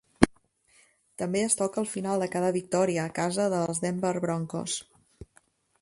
També es toca al final de cada victòria a casa dels Denver Broncos.